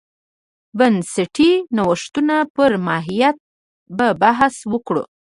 بنسټي نوښتونو پر ماهیت به بحث وکړو.